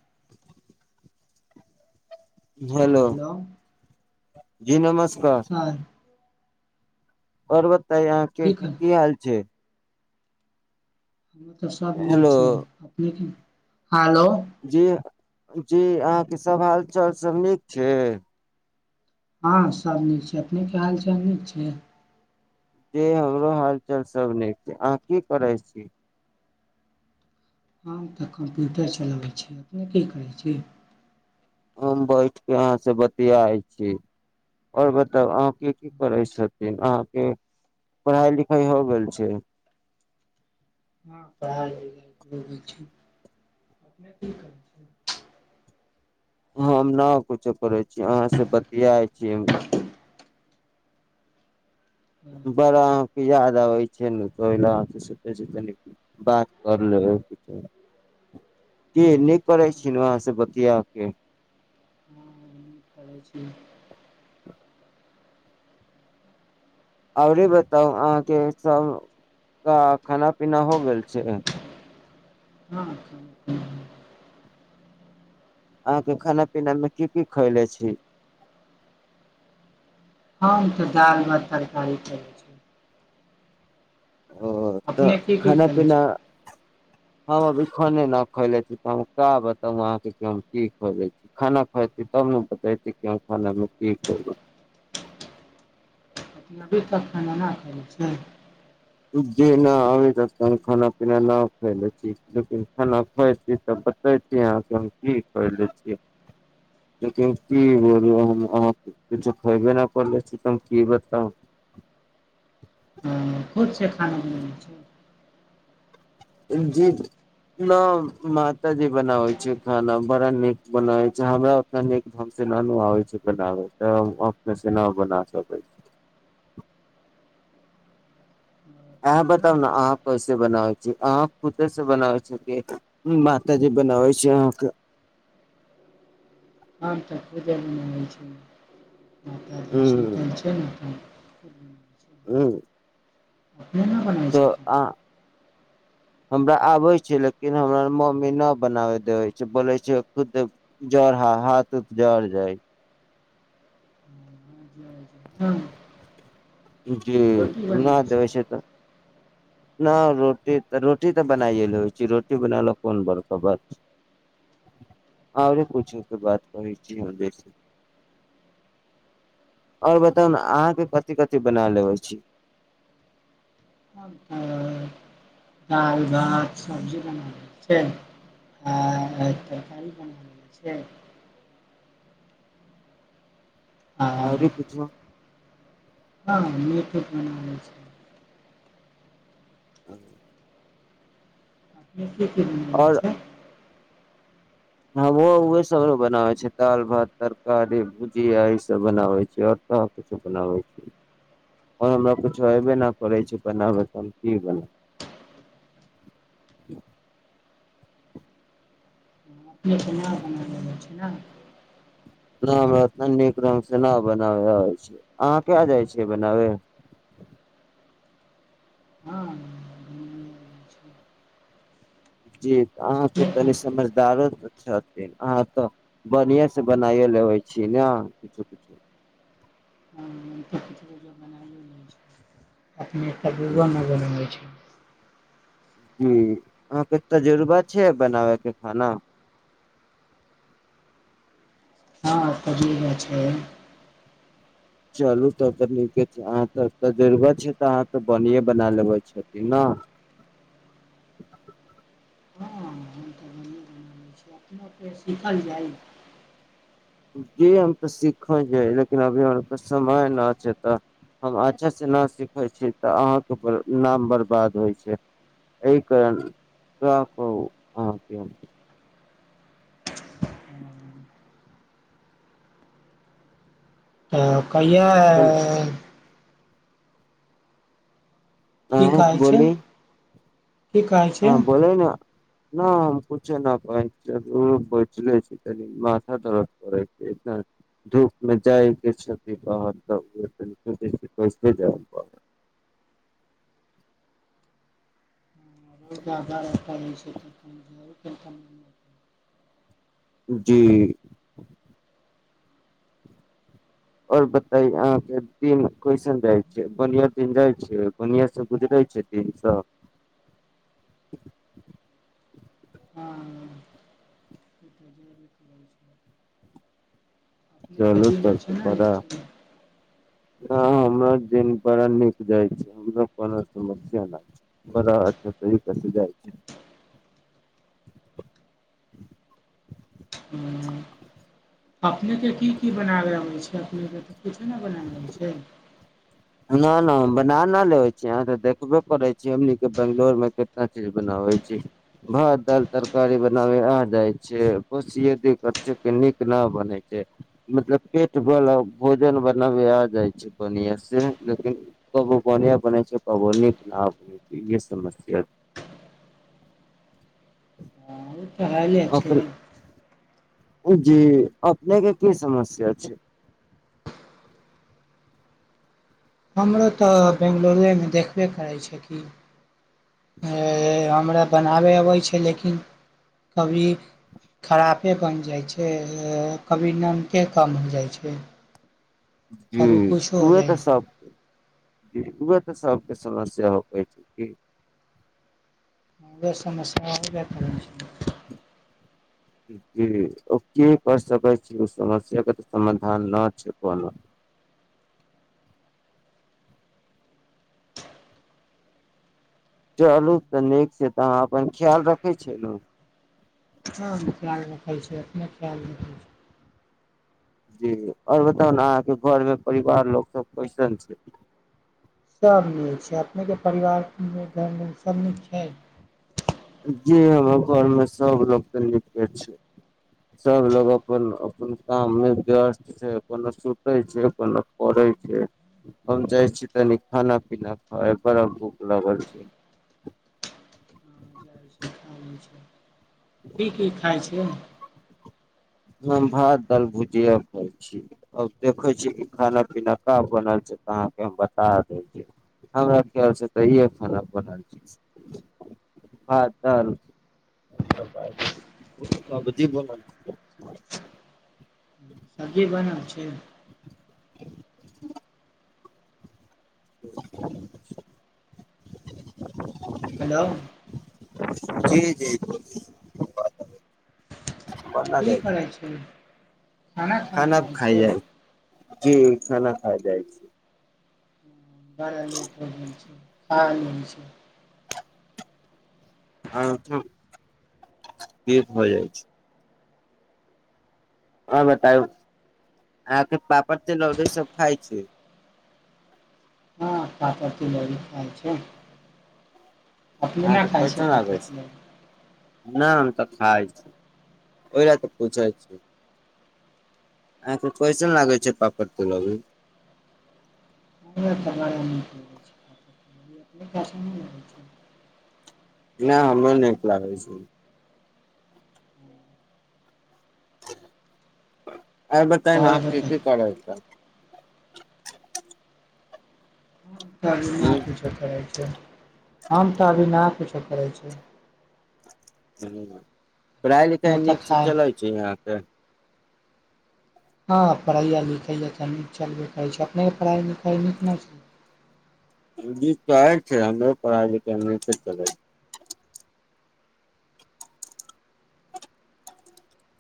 [unintelligible] Hello hello जी नमस्कार और बताइ अहाँ के ठीक हइ की हाल छै हमर तऽ सब हेलो निक छै लेकिन आलो जी जी अहाँके सब हाल चाल सब नीक छै हँ सब नीक छै अपने के हालचाल नीक छै जे हमरो हालचाल सब नीक यै अहाँ की करै छी हम तऽ कम्प्यूटर चलाबै छी अपने की करय छी हम बैठ के अहाँ से बतियाय छी और बताव अहाँके की की करै छथिन अहाँके पढ़ाई लिखाइ हो गेल छै हँ पढ़ाई लिखाई भऽ रहल छै अपने की करै छियै हम ना कुछो करै छी अहाँसँ बतियाय छी हम बड़ा अहाँ याद आबै छै ने तऽ ओइला से तनि बात करलेवे के चाही की निक करै छी न अहाँ से बतिया के करै छी औरे बताउ अहाँके सबके खाना पीना हो गेल छै हँ ह ह अहाँ के खाना पीना मे की की खयले छी हम तऽ दाल भात तरकारी खैने छी ओ तऽ अपने की की खाना खेने पीना छै हम अभी खाने ना खैने छी तऽ हम का बताउ अहाँके के कि हम की खैबै खाना खय तब न बतैति आहा खाना मे की खैबै अपने अभी तक खाना ना खयने छिये जी न अभि तक खाना पीना न खइने छी जदि खाना खयति त बतैयति यहाँ के हम कि खयलै छियै लेकिन की बोलु हम अहा किछो खेबे नै करले छी तऽ हम की बताउ [inaudible] खुद से खाना बनबै छी जी न माताजी बनावे छै खाना बड़ा नीक बनावे छै हमरा ओतना नीक ढंग से हमरा नय आबै छै बनाबै तै हम अपने से ना बना सकै छि अपने अहा केना बताउ न होइ अहाँ छै कैसे बनाबै छी अहाँ खुदे से बनाबै छी कि माता जी बनाबै छै अहाँ के [inaudible] आज तऽ पूजा बनाबै छै माता जी सुतल छै [inaudible] हूँ अपने न बनाबे छै [inaudible] हमरा आबे छै लेकिन हमरा मम्मी न बनावे देेवे छै बोले छै खुदे ह हाथ ऊथ जड़ जाइ छै [inaudible] जी अपनेके रोटी सुना बनबै छै देवै छैे तऽ ना रोटी तऽ रोटी तऽ बनाइए लैबै छै रोटी बनावेला कोन बड़का बात छै आओरे पूछू के बाद करे छि हमरे सँ आओर बताउ ने अहाँके कथी कथि कथी बना लेबै छी दाल भात सब्जी बना छै आ तरकाराली बना लै छै आ ओरी कुछो हँ मिट उट बना लैबै छी [inaudible] अपने की क लने छै हँमु ओ उहु सब बनाबै छै दालि भात तरकारी भुजिया ई सब बनाबै छै आओर सब किछु बनाबै छी ओर हमरा कुछो अऐबे नहि करै छै बनाब तऽ हम की बनाब [inaudible] अपने से ना बनाबल होय छै ना न हमरा नीक ढंग से न बनाबै आबै छै अहाँ कऽ आ जाइ छियै बनाबे [inaudible] हँ बनाबै छै जी अहाँके अपने तनि समझदारो छथिन अहाँ तऽ बढ़िए से बनाइयो लेबै छी न तऽ किछु बनाइए लै छै [unintelligible] नहि बनबै छै जी अहाँके तजुर्बा छै बनाबयके खाना [inaudible] हा तजुर्बा छै चलू तब तऽ नीके छै अहाँ तऽ जरूरत छै तऽ अहाँ तऽ बढ़िये बना लेबै छथिन ने [inaudible] हम तऽ बढ़िए बनाबै छी सीखल जाइ जी हम तऽ सीखल जाइ लेकिन अभी हमरा समय न छै तऽ हम अच्छा से ना सीखै छी तऽ अहाँके नाम बर्बाद होइ छै एहि करण आ कहिया की अहाँ कहय छै की कहै छै हँ बोल ने न कुछु न पाय बचले छै त मथा दर्द करै छै धूपमे जाइके क्षति कह त कैे जा [inaudible] धार जर जी आओर बता अहाँ के दिन कइसन जाय छी बनिया दिन जाय छी बनिया से गुजरे छथिन सब अपने चलू की छै ने ह हमरो दिन बड़ा नीक जाइ छै हमरो कोनो समस्या नहि छै बड़ा कस जा छै [inaudible] ह अपनेके की की बना रहल छै अपनेके तऽ कछो नहि बना रहल छै ना ना बना ना लेवे छी अहां तऽ देखबे करै छियै हमनी के बंगलोर में केितना चीज बनावै छियै भात दाल तरकारी बनावे आ जाय छै बस ये दिक्कत छै की नीक नाभ बनै छै मतलब पेट बला भोजन बनाबे आ जाइ छै बढ़िया से लेकिन कबो बड़ियां बनेै छै कबो नीक नाभ बने छै ये समस्या छै [unintelligible] बहुत हैले छै जी अपनेके की समस्या छै हमरो तऽ बेंगलौर एमे देखबे करै छै कि हमरा बनाबय अबय छै लेकिन कभी खरापे बनि जाइ छै कभी नमके कम हो जाइ छै जी कभी कुछो हो उहे जाइ तऽ सब जी उहे तऽ सभके समस्या हो कहै छै की समस्या होबे करैछै [unintelligible] जी ओ की कर सकै छियै ओ समस्या के तऽ समाधान न छै कोनो [unintelligible] चलू तऽ नीक छै तऽ अहाँ अपन ख्याल रखै छियै न ह ख्याल रखै छै अपने ख्याल रखै जी आओर बताउ ने अहाँके घरमे परिवार लोक सब कइसन छै सभ नीक छै अपनेके परिवारमे घरमे सभ नीक छै जी हमर घरमे सब लोक तऽ ने निके छै सब लोग अपन अपन काम मे व्यस्त छै कोनो सुते छै कोनो पड़है छै हम जाइ छी तनी खाना पीना खाय बड़ा भूख लागल छै [unintelligible] की की खाइ छियै हम भात दाल भुजिया खाय छी आओर देखै छी कि खाना पीना का बनल छै तऽ अहाँके हम बता देब हमरा ख्याल स तऽ ईए खाना बनल छै भात दाल सब्जी बनल छै सब्जी बनल छै [unintelligible] [unintelligible] हेलो जी जी कोन की जाय छै करै खाइ खाना जाइ खाय छै जाय छै जी खाना खाय जाय छै बड़ा लेट हो गेल छै [unintelligible] [unintelligible] जाइ छै हँ बतायउ अहाँके पापड़ तिलौरी सब खाय छी हम पापड़ तिलौरी खाय छै अपने अहाँक नहि खाइ छै कैसन पापड़ लागै तिलौड़ी छै ना हम तऽ खाय छी ओहि लए तऽ पूछै छीै अहाँके कइसन लागै छै पापड़ तिलौरी हमरा तऽ बड़ा नीक लगैछै अपने कऽ अच्छा नहि लगैछै नहि हमरो नीक लागै छै आओर बतायौ न अहाँ की की करै छै तऽ ना हूँ कुछो करै छै हम तऽ अभि ना कुछो करै छियै ह पढ़ाइ अपने लिखाइ तऽ नीकसँ खाइ चलै छै यहाँके हँ पढ़ैया लिखैया तऽ नीक चलबे करैत छै अपनेके पढ़ाइ लिखाइ नीक नहि छै जी त आय छै हमरो पढ़ाय लिखाय नीक सँ चलै छै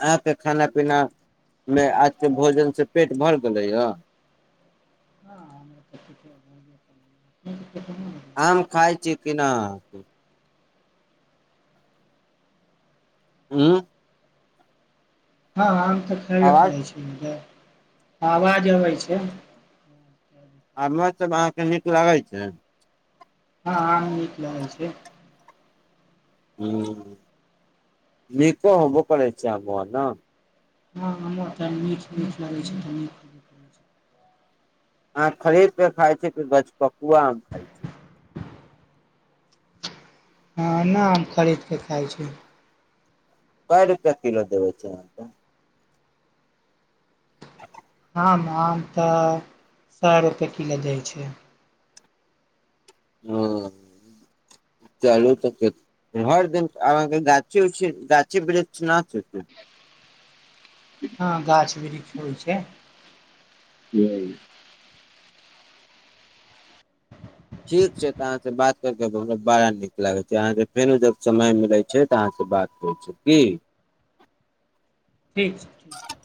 अहाँके खाना पीनामे आजके भोजनसँ पेट भरि गेलैए हँ हमरा तऽ ठीके होबे करैया। अपने के केतना होबे आम छै? खाइ छी किना हूॅं हँ आम तऽ खबे आवाज करइ छै आवाज अबै छै आ मौसभम अहाँके नीक लागै छै हँ आम नीक लगै छै [unintelligible] हँ हमरा तऽ नीक नीक लगै छैऽ नीक आ खरीद क खाय छी त गछपकुआ आम खाय छी हँ ने हम खरीद कऽ खाइ छी कय रुपआ किलो देबै छै अहाँ त [inaudible] आम आम तऽ सए रुपैए किलो दै छै ह चलू तऽ घर देने अब अहाँ के गाछी उछी गाछी वृक्ष ने छै की हँ गाछ वृक्ष होइ छै ह [inaudible] ठीक छै तऽ अहाँसँ बात करि कऽ हमरा बड़ा नीक लागैत छै अहाँके फेरो जब समय मिलैत छै तऽ अहाँ बात कह छै की ठीक छै ठीक छै